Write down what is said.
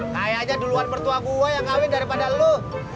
kayaknya duluan bertua gue yang ngawin daripada lo